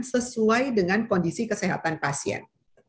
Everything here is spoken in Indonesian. sesuai dengan kondisi kesehatan pasien